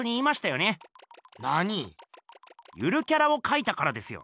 ゆるキャラをかいたからですよ。